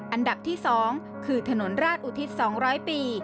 อันดับที่๒คือถนนราชอุทิศ๒๐๐ปี